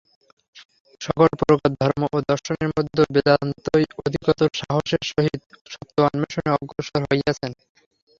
সকল প্রকার ধর্ম ও দর্শনের মধ্যে বেদান্তই অধিকতর সাহসের সহিত সত্য-অন্বেষণে অগ্রসর হইয়াছেন।